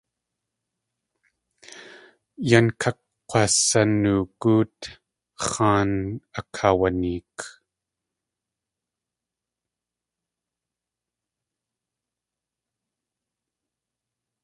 Yan kak̲asanoogóot, x̲aan akaawaneek.